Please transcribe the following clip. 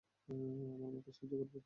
আমায় মরতে সাহায্য করবে?